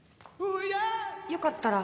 よかったら。